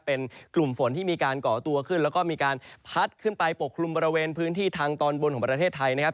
เป็นกลุ่มฝนที่มีการก่อตัวขึ้นแล้วก็มีการพัดขึ้นไปปกคลุมบริเวณพื้นที่ทางตอนบนของประเทศไทยนะครับ